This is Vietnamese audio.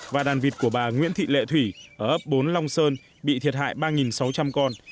và đàn vịt của bà nguyễn thị lệ thủy ở ấp bốn long sơn bị thiệt hại ba sáu trăm linh con